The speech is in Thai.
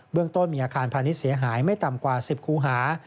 เรื่องต้นมีอาคารพาณิชย์เสียหายไม่ต่ำกว่า๑๐คูหา